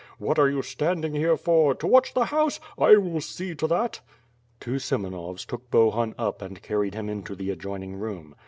What are you standing here for? To watch the house? I will see to that." Two Semenovs took Bohun up and carried him into the adjoining room.